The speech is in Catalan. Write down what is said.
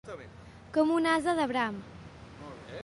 Com un ase de bram.